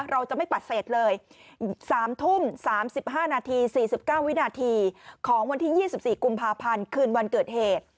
เราจะไม่ปฏิเสธเลย๓ทุ่ม๓๕นาที๔๙วินาทีของวันที่๒๔กุมภาพันธ์คืนวันเกิดเหตุ